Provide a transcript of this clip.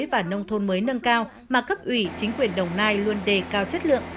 cả trong xây dựng nông thôn mới và nông thôn mới nâng cao mà cấp ủy chính quyền đồng nai luôn đề cao chất lượng